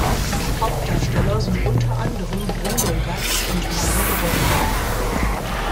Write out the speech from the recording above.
Hauptdarsteller sind unter anderem Bruno Ganz und Marie Bäumer.